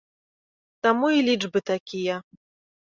Таму і лічбы такія.